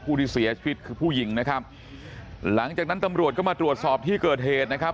ที่เสียชีวิตคือผู้หญิงนะครับหลังจากนั้นตำรวจก็มาตรวจสอบที่เกิดเหตุนะครับ